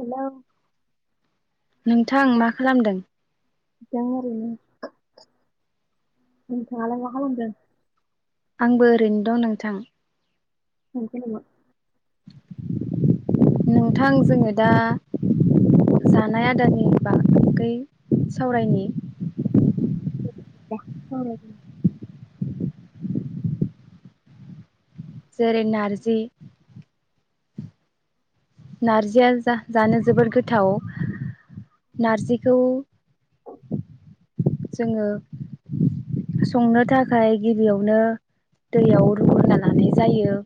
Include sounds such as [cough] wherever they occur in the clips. Hello नोंथां मा खालामदों दंङ ओरैनो नोंथांङालाय मा खालामदों आंबो ओरैनो दं नोंथां [unintelligible] [unintelligible] नोंथां जोंङो दा जानाय आदारनि बागै सावरायनायनि [unintelligible] जेरै नारजि नार्जिया जा जानो जोबोद गोथाव नार्जिखौ जोंङो संनो थाखाय गिबियावनो दैयाव रुग्रोनना लानाय जायो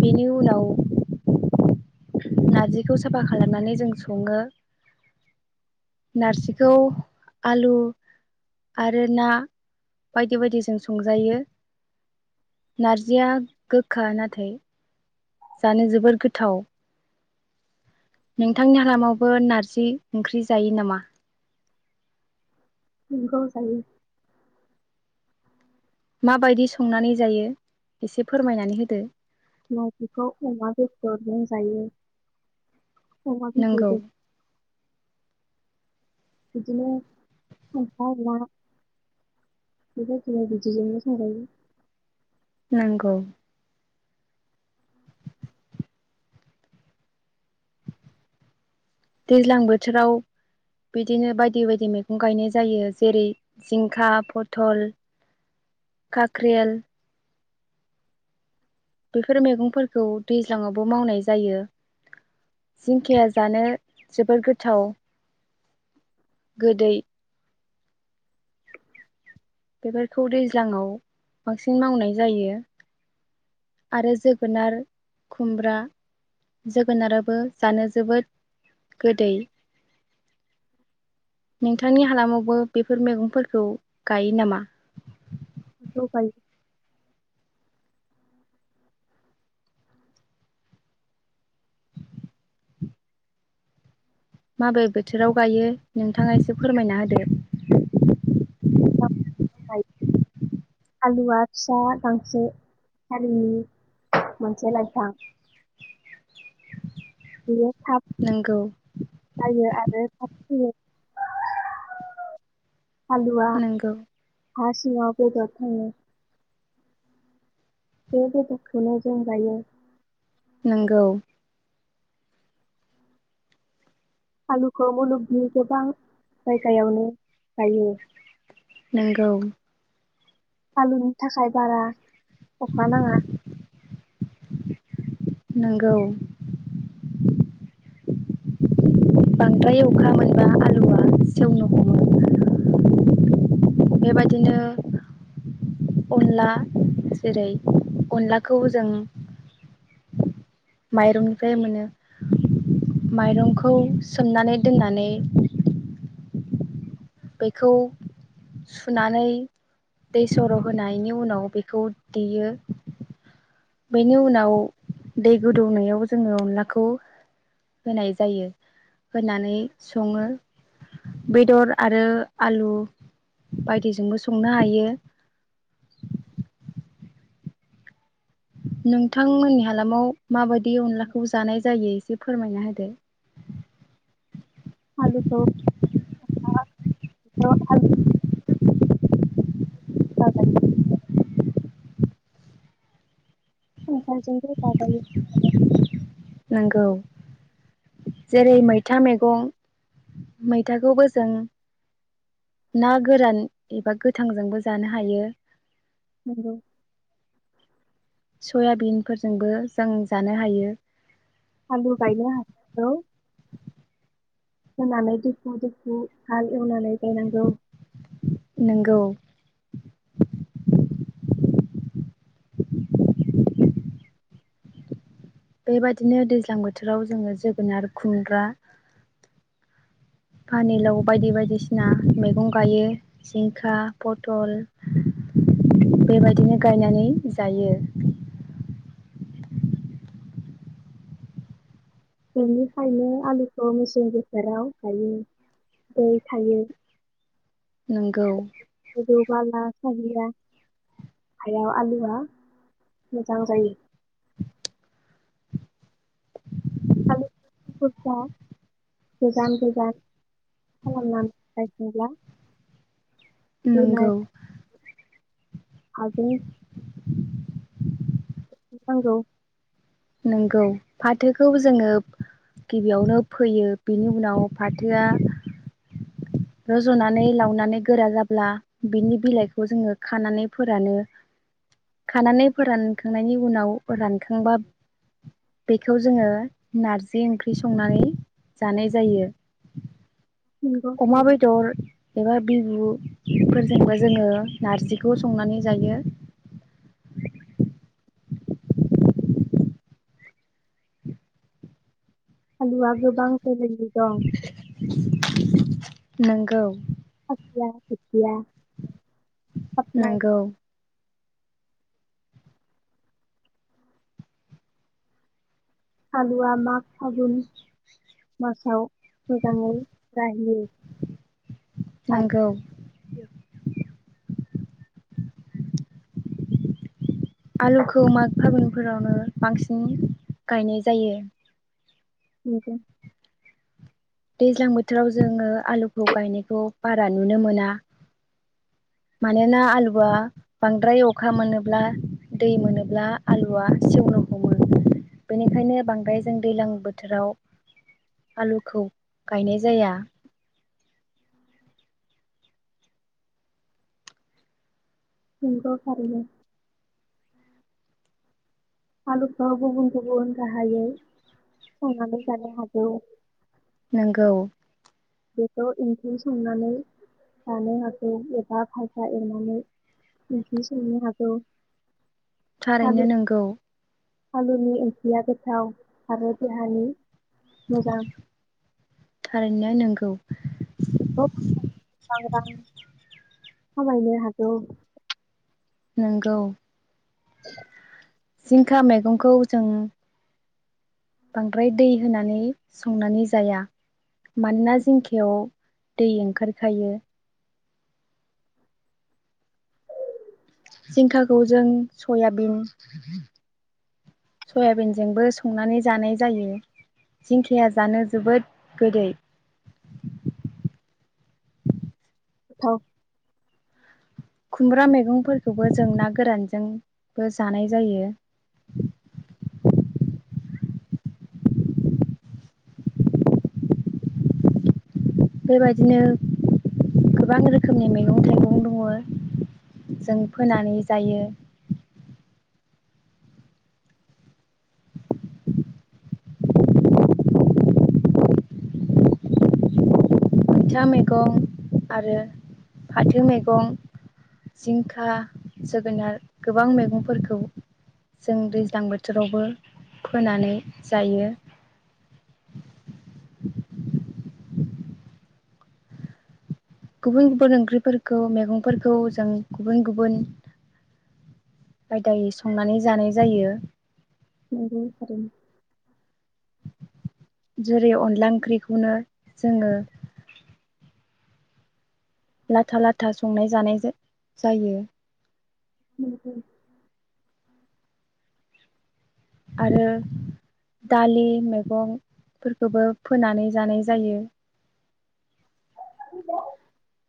बेनि उनाव नारजिखौ साफा खालामनानै जों संङो नारजिखौ आलु आरो ना बायदि बायदि जों संजायो नारजिया गोखा नाथाय जानो जोबोर गोथाव नोंथांनि हालामावबो नारजि ओंख्रि जायो नामा [unintelligible] बिखौ जायो माबायदि संनानै जायो एसे फोरमायनानै होदो नारजिखौ अमा बेदरजों जायो अमा नंगौ बिबुदो बिदिनो सानफा अमा बे बिदिजोंनो सलायो [unintelligible] नोंगौ दैज्लां बोथोराव बिदिनो बायदि बायदि मैगं गायनाय जायो जेरै जिंखा, पथल, काख्रेल बेफोर मैगंफोरखौ दैज्लाङावबो मावनाय जायो। जिंखाया जानो जोबोर गोथाव गोदै। बेफोरखौ दैज्लाङाव बांसिन मावनाय जायो। आरो जोगोनार, खुमब्रा जोगोनाराबो जानो जोबोद गोदै। नोंथांनि हालामावबो बेफोर मैगंफोरखौ गायो नामा? खौ गाय माबे बोथोराव गायो नोंथाङा एसे फोरमायना होदो। आलुवा फिसा गांसो हारिनि मोनसे लाइफां।। बियो थाब नोंगौ जायो आरो थाब थैयो। आलुवा नोंगौ हा सिङाव बेदद थाङो। बे बेददखौनो जों जायो। नोंगौ। आलुखौ मुलुगनि गोबां जायगायावनो गायो। नोंगौ। आलुनि थाखाय बारा अखा नाङा। नोंगौ। बांद्राय अखा मोनबा आलुआ सेवनो हमो। बेबायादिनो अनला जेरै अनलाखौ जों माइरंनिफ्राय मोनो। माइरंखौ सोमनानै दोननानै बेखौ सुनानै दै सर' होनायनि उनाव बेखौ देयो। बेनि उनाव दै गोदौनायाव जोङो अनलाखौ होनाय जायो। होनानै सङो बेदर आरो आलु बायदिजोंबो संनो हायो। नोंथांमोननि हालामाव माबायदि अनलाखौ जानाय जायो एसे फोरमायना होदो। आलुखौ [unintelligible] [inaudible] [inaudible] [inaudible] खुंखाजोंबो जाजायो। नोंगौ। जेरै मैथा मेगं। मैथाखौबो जों ना गोरान एबा गोथांजोंबो जानो हायो। नोंगौ। सयाबिनफोरजोंबो जों जानो हायो। आलु गायगोन हाखौ होनानै दुपु दुपु हाल एवनानै गायनांगौ। नोंगौ बेबायदिनो दैज्लां बोथोराव जोङो जोगोनार, खुमब्रा, पानिलाव बायदि बायदिसिना मैगं गायो जिंखा, पथल बेबायदिनो गायनानै जायो। बेनिखायनो आलुखौ मेसें बोसोराव गायो। दै थायै नंगौ गोजौ बाला साहिया हायाव आलुआ मोजां जायो। आलु [unintelligible] गोजान गोजान खालामनानै गायोब्ला नोंगौ। आगुनि [inaudible] [inaudible] नंगौ। फाथोखौ जोङो गिबियावनो फोयो, बिनि उनाव फाथोआ रज'नानै, लावनानै गोरा जाब्ला बिनि बिलाइखौ जोङो खानानै फोरानो। खानानै फोरानखांनायनि उनाव रानखांबा बेखौ जोङो नारजि ओंख्रि संनानै जानाय जायो। नंगौ अमा थारैनो बेदर एबा बि [unintelligible] आलुआ गोबां [unintelligible] नोंगौ [unintelligible] नंगौ [unintelligible] आलुआ माग फागुन मासाव मोजाङै जाहैयो नोंगौ [inaudible] आलुखौ माग फागुनफोरावनो बांसिन गायनाय जायो। [unintelligible] दैज्लां बोथोराव जोङो आलुखौ गायनायखौ बारा नुनो मोना मानोना आलुआ बांद्राय अखा मोनोब्ला दै मोनोब्ला आलुआ सेवनो हमो बेनिखायनो बांद्राय जों दैज्लां बोथोराव आलुखौ गायनाय जाया। [unintelligible] आलुफ्राव गुबुन गुबुन राहायै संनानै जानो हागौ। नोंगौ बेखौ ओंख्रि संनानै जानो हागौ एबा भाजा एवनानै ओंख्रि संनो हागौ आलु थारैनो नोंगौ। आलुनि ओंख्रिया गोथाव आरो देहानि मोजां थारैनो नोंगौ। बेखौ फाननानै [unintelligible] नोंगौ [unintelligible] [inaudible] बांद्राय दै होनानै संनानै जाया मानोना जिंखायाव दै ओंखारखायो। थजों सयाबि सयाबिनजोंबो संनानै जानाय जायो जिंखाया जानो जोबोद गोदै। औ खुमब्रा मैगंफोरखौबो जों ना गोरानजोंबो जानाय जायो। बेबायदिनो गोबां रोखोमनि मैगं थाइगं दङ जों फोनानै जायो। मैथा मैगं आरो फाथो मैगं जिंखा जोगोनार गोबां मैगंफोरखौ जों दैज्लां बोथोरावबो फोनानै जायो। गुबुन गुबुन ओंख्रिफोरखौ मैगंफोरखौ जों गुबुन गुबुन बायदायै संनानै जानाय जायो। [unintelligible] जेरै अनला ओंख्रिखौनो जोङो लाथा लाथा संनाय जानाय जायो। [unintelligible] आरो दालि मैगंफोरखौबो फोनानै जानाय जायो। [unintelligible]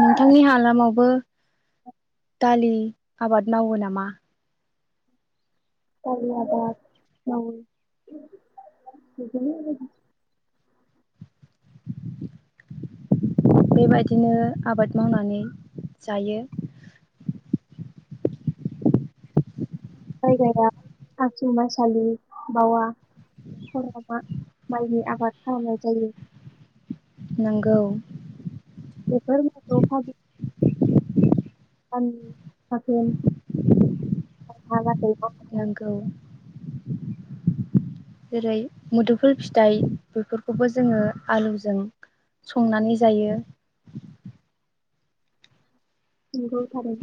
नोंथांनि हालामावबो दालि आबाद मावो नामा [unintelligible] बेबायदिनो आबाद मावनानै जायो। जायगायाव आसु मायसालि बावा [unintelligible] माइनि आबाखालामनाय जायो। नोंगौ बेेफोर [unintelligible] [unintelligible] जायो नंगौ [unintelligible] जेरै मोदोमफुल फिथाइ बेफोरखौबो जोङो आलुजों संनानै जायो नोंगौ थारै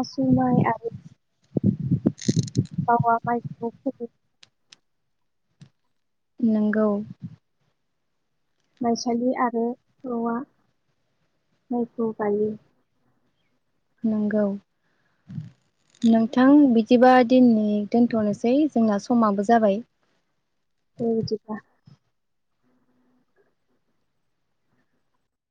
आसु माइ आरो बावा माइ [unintelligible] नोंगौ माइसालि आरो र'आ माइखौ गायो। नंगौ नोंथां बिदिबा दिननि दोनथ'नोसै जोंना समाबो जाबाय। दे बिदिब्ला